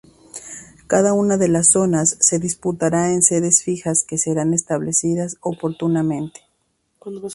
Cada una de las Zonas se disputará en Sedes fijas que serán establecidas oportunamente.